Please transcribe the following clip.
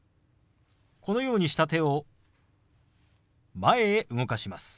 このようにした手を前へ動かします。